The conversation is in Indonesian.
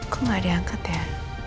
kok gak ada yang angkat ya